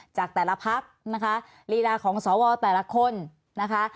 จากแต่ละพักนะคะลีลาของสวแต่ละคนนะคะ